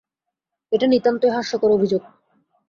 এটা নিতান্তই হাস্যকর অভিযোগ।